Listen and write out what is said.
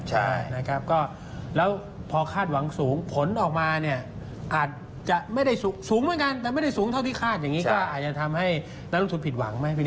ใช่นะครับก็แล้วพอคาดหวังสูงผลออกมาเนี่ยอาจจะไม่ได้สูงเหมือนกันแต่ไม่ได้สูงเท่าที่คาดอย่างนี้ก็อาจจะทำให้นักลงทุนผิดหวังไหม